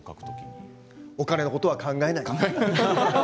お金のことは考えない。